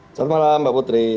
selamat malam mbak putri